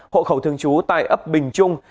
hộ khẩu thường trú tại ấp bình trung